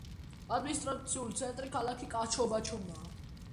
ადმინისტრაციული ცენტრია ქალაქი კოჩაბამბა.